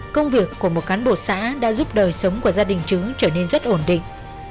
công việc của một cán bộ xã đã giúp đời sống của gia đình chứng trở nên rất ổn định